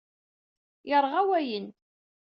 Yeṛɣa wayen.